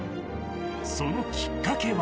そのきっかけは。